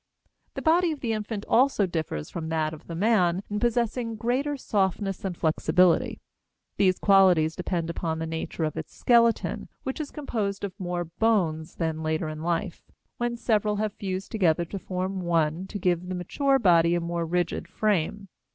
The body of the infant also differs from that of the man in possessing greater softness and flexibility. These qualities depend upon the nature of its skeleton, which is composed of more bones than later in life, when several have fused together to form one to give the mature body a more rigid frame.